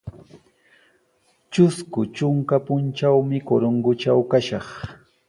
Trusku trunka puntrawmi Corongotraw kashaq.